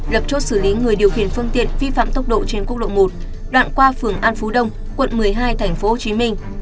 lập chốt xử lý người điều khiển phương tiện vi phạm tốc độ trên quốc lộ một đoạn qua phường an phú đông quận một mươi hai tp hcm